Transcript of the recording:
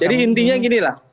jadi intinya ginilah